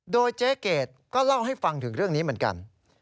โดยเจ๊เกดก็เล่าให้ฟังถึงเรื่องนี้เหมือนกัน